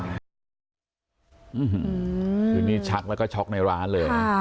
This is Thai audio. คือนี่ชักแล้วก็ช็อกในร้านเลย